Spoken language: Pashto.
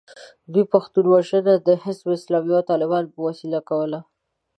دوی پښتون وژنه د حزب اسلامي او طالبانو په وسیله کوله.